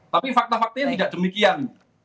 tapi fakta faktanya tidak demikian